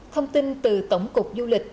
thông tin từ tổng cục du lịch